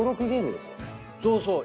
そうそう。